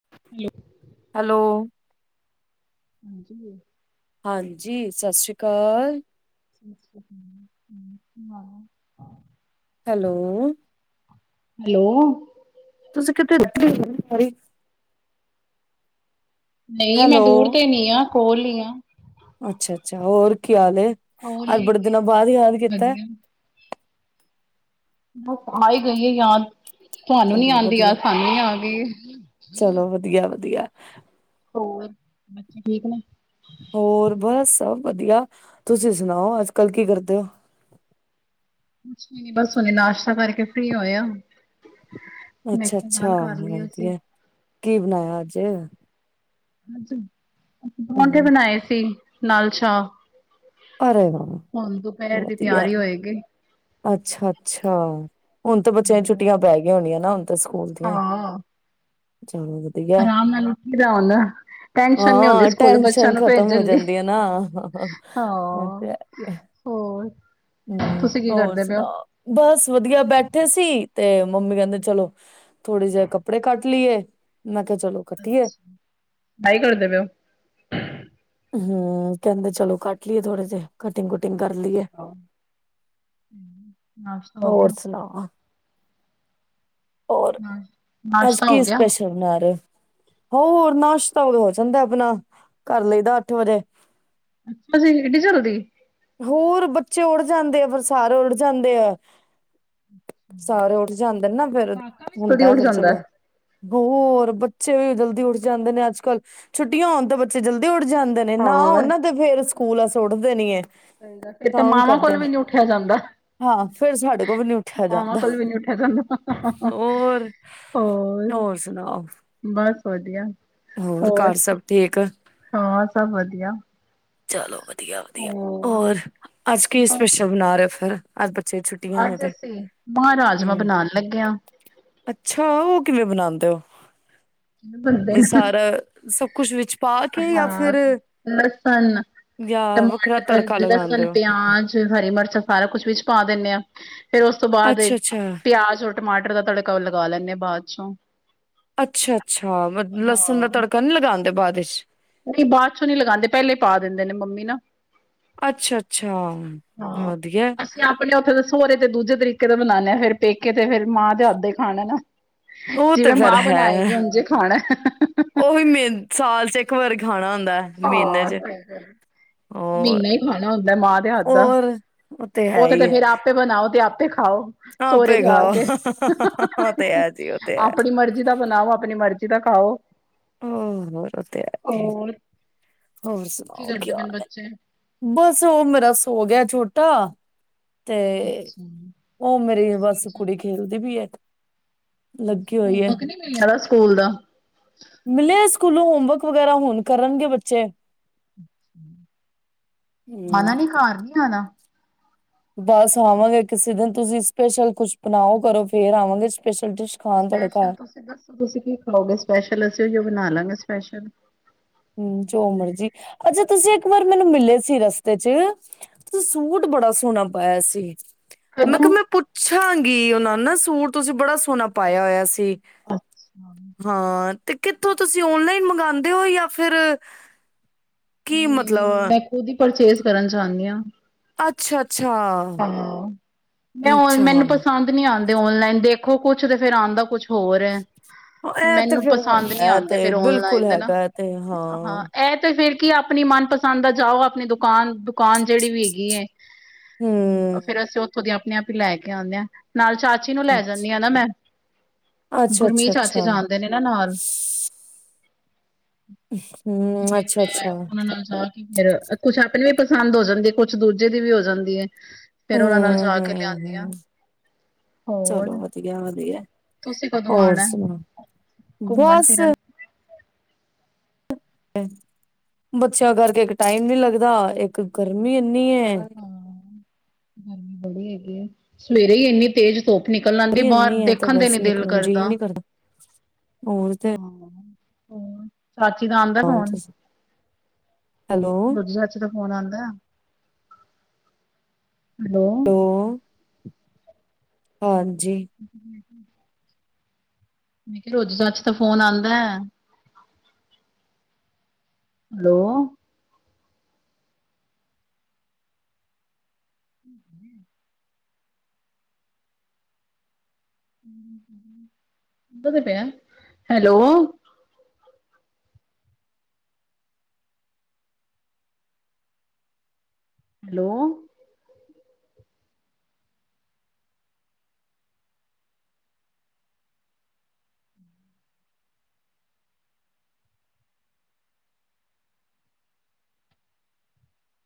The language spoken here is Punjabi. [unintelligible] ਹੈਲੋ ਹਾਂਜੀ ਹਾਂਜੀ ਸਤਿ ਸ੍ਰੀ ਅਕਾਲ [unintelligible] ਹੈਲੋ ਹੈਲੋ, [unintelligible] ਨਹੀਂ ਮੈਂ ਦੂਰ ਹੈਲੋ ਤੇ ਨੀ ਆ ਹੋਲੀਆਂ ਅੱਛਾ ਅੱਛਾ ਹੋਰ ਖਿਆਲ ਕੋਲ ਅੱਜ ਹੀ ਬੜੇ ਹੈਗੇ ਦਿਨਾਂ ਆ। ਬਾਅਦ ਯਾਦ ਕੀਤਾ ਵਧੀਆ, ਬਸ ਆਈ ਗਈ ਹੈ ਯਦ ਤੁਹਾਨੂੰ ਨੀ ਚਲੋ ਆਉਂਦੀ ਆ ਵਧੀਆ ਸਾਨੂੰ ਨੀ ਆਉਂਦੀ [unintelligible] ਚਲੋ ਵਧੀਆ ਵਧੀਆ। ਹੋਰ ਬੱਚੇ ਠੀਕ ਨੇ? ਹੋਰ ਬਸ ਸਭ ਵਧੀਆ ਤੁਸੀਂ ਸੁਣਾਓ। ਅੱਜ ਕੱਲ ਕੀ ਕਰਦੇ ਹੋ? ਕੁਛ ਵੀ ਨੀਂ ਬਸ ਹੁਣੇ ਨਾਸ਼ਤਾ ਕਰਕੇ ਫ੍ਰਰੀ ਹੋਏ ਆਂ। ਅੱਛਾ ਅੱਛਾ ਵ ਵਧੀਆ ਕੀ ਬਣਾਇਆ ਅੱਜ! ਅੱਜ। ਪਰੋਂਠੇ ਹਮ ਬਣਾਏ ਸੀ। ਨਾਲ ਚਾਅ ਅਰੇ ਵ ਦੀ ਵਧਆ ਤਿਆਰੀ ਹੋਏਗੀ, ਅੱਛਾ ਅੱਛਾ, ਹੁਣ ਤਾਂ ਬੱਚਿਆਂ ਛੁੱਟੀਆਂ ਪੈ ਗਈਆਂ ਹੋਣੀਆਂ ਨਾ ਹੁ ਸਕੂਲ ਦੀਆਂ ਹਾਂ। ਚਲੋ ਵਧੀਆ ਆਰਾਮ ਨਾਲ ਉਠੀਦਾ ਹੁਣ ਟੈਨਸ਼ਨ ਨੀਂ ਹੁੰਦੀ ਹਾਂ ਸਕੂਲ ਬੱਚਿਆਂ ਟੈਨਸ਼ਨ ਨੂੰ ਖ਼ਤਮ ਹੋ ਭੇਜਣ ਦੀ। ਜਾਂਦੀ ਹੈ ਨਾ ਹਾਂ [inaudible] [unintelligible] ਹਂ, ਤੁਸੀਂ ਕੀ ਹੋਰ ਕਰਦੇ ਪਏ ਹੋ? ਸੁਣਾਓ, ਬਸ ਵਧੀਆ ਬੈਠੇ ਸੀ। ਤੇ ਮੰਮੀ ਕਹਿੰਦੇ ਚਲੋ ਥੋੜੇ ਜਿਹੇ ਕੱਪੜੇ ਕੱਟ ਲਈਏ, ਮੈਂ ਕਿਹਾ ਚਲੋ ਕੱਟੀਏ ਅੱਛਾ, ਬਾਈ ਕਰ ਦੇ ਪੇ ਓ। ਹਮ ਕਹਿੰਦੇ ਚਲੋ ਕੱਟ ਲਈਏ ਥੋੜੇ ਜਿਹੇ ਕਟਿੰਗ ਕੁਟਿੰਗ ਕਰ ਲਈਏ। ਹੋ? ਨਾਸ਼ਤਾ ਹੋ ਹੋਰ ਗਿਆ। ਸੁਣਾ ਰ ਨਾਸ਼ ਅੱਜ ਨਾਸ਼ਤਾ ਹੋ ਕੀ ਗਿਆ। ਸਪੈਸ਼ਲ ਬਣਾ ਰੈ ਓ। ਹੋਅਰ ਨਾਸ਼ਤਾ ਤਾਂ ਉਦ ਹੋ ਜਾਂਦਾ ਆਪਣਾ ਕਰ ਲਈਦਾ ਅੱਠ ਵਜੇ ਅੱਛਾ ਜੀ, ਇਡੀ ਜਲਦੀ। ਹੋਰ ਬੱਚੇ ਉੱਡ ਜਾਂਦੇ ਆ ਫਿਰ ਸਾਰੇ ਉੱਡ ਜਾਂਦੇ ਆ। ਸਾਰੇ ਉੱਠ ਜਾਂਦੇ ਨੇ ਨਾ ਫੇਰ ਕਾਕਾ ਵੀ ਜਲਦੀ ਹੁੰਦਾ ਉੱਠ ਫਿਰ ਜਾਂਦਾ ਚਲੋ ਹੈ। ਹੋਰ ਬੱਚੇ ਵੀ ਜਲਦੀ ਉੱਠ ਜਾਂਦੇ ਨੇ, ਅੱਜ ਕੱਲ ਛੁੱਟੀਆਂ ਹੋਣ ਤਾਂ ਬੱਚੇ ਜਲਦੀ ਉੱਠ ਜਾਂਦੇ ਨੇ ਨਾਂ ਹੁਨ ਹੋਰ ਨਾਂ ਦੇ ਫੇਰ ਸਕੂਲ ਆਸ ਉੱਠਦੇ ਨੀਂ ਐ। ਸਹੀ ਗਲ ਫਿਰ ਤੇ ਮਾਵਾਂ ਕੋਲ ਵੀ ਨੀਂ ਉੱਠਿਆ ਜਾਂਦਾ ਹਾਂ ਫੇਰ ਸਾਡੇ ਕੋਲ ਵੀ ਨੀ [unintelligible] ਉੱਠਿਆ ਮਾਵਾਂ ਜਾਂਦਾ ਕੋਲ ਵੀ ਨੀਂ ਉੱਠਿਆ ਜਾਂਦਾ ਹੋਰ ਹੋਰ, ਬਸ। ਵਧੀਆ। ਹੋਰ ਘਰ ਸਭ ਠੀਕ ਹਾਂ ਸਭ ਵਧੀਆ। ਚਲੋ ਵਧੀਆ। ਵਧੀਆ ਵਧੀਆ, ਹੋਰ ਔਰ ਅੱਜ ਕੀ ਸਪੈਸ਼ਲ ਬਨਾ ਰੈ। [unintelligible] ਛੁੱਟੀਆਂ ਨੇ ਅੱਜ ਤੇ ਅਸੀਂ ਮਾਂਹ ਰਾਜਮਾਂ ਹਮ ਬਣਾਉਣ ਲੱਗੇ ਹਾਂ। ਅੱਛਾ ਉਹ ਕਿਵੇਂ ਬਣਾਉਂਦੇ [unintelligible] ਬਣਦੇ ਵੀ ਨਾ ਸਾਰਾ ਸਭ ਕੁਛ ਵਿੱਚ ਪਾ ਕੇ ਜਾਂ ਹਾਂ ਫਿਰ ਲਸਣ ਜਾਂ ਵੱਖਰਾ ਟਮਾਟਰ ਤੜਕਾ ਲਸਣ ਲਗਾਉਂਦੇ ਹੋ ਪਿਆਜ ਹਰੀ ਮਿਰਚਾਂ ਸਾਰਾ ਕੁਛ ਵਿੱਚ ਪਾ ਦਿੰਦੇ ਹਾਂ ਫਿਰ ਉਸ ਤੋਂ ਬਾਅਦ ਅੱਛਾ ਅੱਛਾ ਪਿਆਜ ਔਰ ਟਮਾਟਰ ਦਾ ਤੜਕਾ ਉਹ ਲਗਾ ਲੈਂਦੇ ਹਾਂ ਬਾਅਦ ਚੋਂ ਅੱਛਾ ਅੱਛਾ ਲਸਣ ਦਾ ਹਾਂ ਤੜਕਾ ਨੀ ਲਗਾਉਦੇ ਬਾਅਦ [unintelligible] ਨਹੀਂ ਬਾਅਦ ਚੋਂ ਨੀ ਲਗਾਉਂਦੇ ਪਹਿਲੇ ਪਾ ਦਿੰਦੇ ਨੇ ਮੰਮੀ ਨਾ ਅੱਛਾ-ਅੱਛਾ ਹਾਂ ਵਧੀਆ ਹੈ। ਅਸੀਂ ਆਪਣੇ ਉੱਥੇ ਦੱਸੋ ਉਰੇ ਤੇ ਦੂਜੇ ਤਰੀਕੇ ਪੇਕੇ ਦਾ ਬਣਾਉਾਨਦੇ ਆ ਫਿਰ ਪੇਕੇ ਤੇ ਫਿਰ ਮਾਂ ਤੇ ਅੱਧੇ ਖਾਣੇ ਨਾ ਉਹ ਤੇ ਜਿਵੇਂ ਫਿਰ ਮਾਂ ਹੈ ਬਣਾਏਗੀ ਉੰਝੇ ਖਾਣਾ ਉਹ ਵੀ ਮੇ ਸਾਲ ਚ ਇੱਕ ਵਰਗੀ [unintelligible] ਗ ਹੋਰ ਮੀਨਾ ਹੀ ਖਾਣਾ ਹੁੰਦਾ ਮਾਂ ਤੇ ਹੱਥ ਦਾ ਹੋਰ ਹੈ ਉਹ ਤੇ ਤੇ ਹੀ ਹੈ ਫੇਰ ਆਪੇ ਬਣਾਓ ਤੇ ਆਪ ਖਾਓ ਸੋਹੁਰੇ ਆਪੇ ਜਾ ਖਾਓ ਕੇ ਉਹ ਤੇ ਹੈ ਜੀ ਉਹ ਤੇ ਹੈ ਆਪਣੀ ਮਰਜ਼ੀ ਦਾ ਬਣਾਓ ਆਪਣੀ ਮਰਜ਼ੀ [unintelligible] ਖਾਓ ਹ ਹੋਰ ਤੇ ਹੋਰ ਹੋਰ ਸੁਣਾਓ ਕੀ ਕਰਦੇ ਹਾਲ ਹੈ ਬੱਚੇ ਬਸ ਉਹ ਮੇਰਾ ਸੋ ਗਿਆ ਛੋਟਾ ਹੱ ਤੇ ਅੱਛਾ ਹੋਮਵਰਕ ਉਹ ਮੇਰੀ ਬਸ ਕੁੜੀ ਖੇਲਦੀ ਵੀ ਹੈ ਲੱਗੀ ਹੋਈ ਹੈ [unintelligible] ਸਕੂਲ ਦਾ ਮਿਲਿਆ ਸਕੂਲੋਂ ਹੋਮਵਰਕ ਵਗੈਰਾ ਹੁਣ ਕਰਨਗੇ ਬੱਚੇ ਹਮ ਆਣਾ ਨੀ ਘਰ ਨੀ ਆਉਣਾ ਬਸ ਆਵਾਂਗੇ ਕਿਸੇ ਦਿਨ ਤੁਸੀਂ ਸਪੈਸ਼ਲ ਕੁਛ ਬਣਾਓ ਕਰੋ ਫੇਰ ਆਵਾਂਗੇ ਸਪੈਸ਼ਲ ਡਿਸ਼ ਖਾਣ ਤੁਹਾਡੇ ਸਪੈਸ਼ਲ ਘਰ ਤੁਸੀਂ ਦੱਸੋ ਤੁਸੀਂ ਕੀ ਖਾਓਗੇ ਸਪੈਸ਼ਲ ਅਸੀਂ ਉਹੀ ਬਣਾ ਲਾਂਗੇ ਸਪੈਸ਼ਲ ਹਮ ਜੋੋ ਮਰਜੀ ਅੱਛਾ ਤੁਸੀਂ ਇੱਕ ਵਾਰ ਮੈਨੂੰ ਮਿਲੇ ਸੀ ਰਸਤੇ ਚ ਤੁ ਸੂਟ ਬੜਾ ਸੋਹਣਾ ਪਾਇਆ ਸੀ ਕਦੋਂ ਮੈਂ ਕਿਹਾ ਮੈਂ ਪੁੱਛਾਂਗੀ ਗ ਉਹਨਾਂ ਨਾ ਸੂਟ ਤੁਸੀਂ ਬੜਾ ਸੋਹਣਾ ਪਾਇਆ ਹੋਇਆ ਸੀ ਹਾਂ ਤੇ ਕਿ ਜਥ ਤੁਸੀਂ ਔਨਲਾਈਨ ਮੰਗਉਦੇ ਹੋ ਯਾ ਫਿਰ ਨਹੀਂ-ਨਹੀਂ ਮਤਲਬ ਮੈਂ ਖੁਦ ਹੀ, ਪਰਚੇਜ ਕਰਨ ਚਾਹੁੰਨੇ ਹਾਂ। ਹਾਂ ਮੈਂ ਔਨ ਮੈਨੂੰ ਪਸੰਦ ਨਹੀਂ ਅੱਛਾ-ਅੱਛਾ-ਅੱਛਾ, ਆਉਂਦੇ ਔਨਲਾਈਨ ਦੇਖੋ ਕੁੱਛ ਤੇ ਫੇਰ ਆਦਾ ਕੁਛ ਹੋਰ ਹੈ। ਇਹ ਤੇ ਮੈਨੂੰ ਫਿਰ ਪਸੰਦ ਨਹੀਂ ਹੈਗਾ ਤੇ ਆਉਂਦੇ ਫੇਰ ਬਿਲਕੁਲ ਔਨਲਾਈਨ ਦੇ ਹੈਗਾ ਤੇ ਹਾਂ। ਕਿ ਆਪਣੀ ਮਨਪਸੰਦ ਦਾ ਜਾਓ ਆਪਣੀ ਦੁਕਾਨ-ਦੁਕਾਨ ਜਿਹੜੀ ਵੀ ਹੈਗੀ ਹੈ। ਫੇਰ ਹਮ ਅਸੀਂ ਉੱਥੋਂ ਦੀਆਂ ਆਪ ਲੈ ਕੇ ਆਦੇ ਨਾਲ ਚਾਰ ਚੀ ਨੂੰ ਲੈ ਜਾਂਦੀ ਆ ਨਾ ਮੈਂ, ਅੱਛਾ ਅੱਛਾ ਗੁਰਮੀਤ ਚਾਚੇ ਅੱਛਾ ਜਾਣਦੇ ਨੇ ਨਾ ਨਾਲ ਤੇ ਹੂੰ, ਫੇਰ ਮੈਂ ਅੱਛਾ-ਅੱਛਾ, ਉਹਨਾਂ ਨਾਲ ਜਾ ਕੇ ਫਿਰ ਕੁਛ ਆਪਣੇ ਪਸੰਦ ਹੋ ਜਾਂਦੀ ਹੈ ਕੁਛ ਦੂਜੇ ਦੀ ਵੀ ਹੋ ਜਾਂਦੀ ਐ। ਫਿਰ ਉਹਨਾਂ ਨਾਲ ਜਾ ਕੇ ਲਿਆਦੀਆਂ ਹੂੰ-ਹੂੰ-ਹੂੰ, ਹੋਰ ਚਲੋ ਵਧੀਆ-ਵਧੀਆ। ਤੁਸੀਂ ਕਦੋਂ ਹੋਰ ਆਣਾ ਸੁਣਾ, ਘੁੰਮਣ ਬਸ ਫਿਰਨ ਬੱਚਿਆਂ ਕਰਕੇ ਇੱਕ ਟਾਈਮ ਨੀ ਲੱਗਦਾ ਇੱਕ ਗਰਮੀ ਕਿਨੀ ਹੈ, ਹਾਂ ਗਰਮੀ ਬੜੀ ਹੈਗੀ ਹੈ ਸਵੇਰੇ ਹੀ ਇੰਨੀ ਤੇਜ਼ ਧੁੱ ਇਨੀ ਆ ਤੇ ਬਸ ਨਿਕਲ ਜੇ ਨੀ ਕਰਦਾ ਹੋਰ ਤੇ ਹੋ ਚਾਚੀ ਦਾ ਆਦਾ ਸੁਣਾਓ ਫੋਨ ਤੁਸੀਂ ਹੈਲੋ, ਦੁਜੀ ਚਚੀ ਦਾ ਫੋਨ ਆਦਾ। [unintelligible] ਹੈਲੋ, ਹਾਂ, ਹੂੰ, [unintelligible] ਮੈ ਕਿਹਾ ਰੋਜੀ ਚਾਚੀ ਤਾਂ ਫੋਨ ਆਦਾ ਐ, ਹੈਲੋ ਹੁੰਦਾ ਤਾ ਪਿਆ ਹੈਲੋ, ਹੈਲੋ,